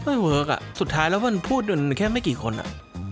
เวิร์คอ่ะสุดท้ายแล้วมันพูดกันแค่ไม่กี่คนอ่ะ